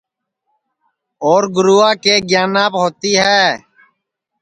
اور گَروا کے گیاناپ ہوتی ہے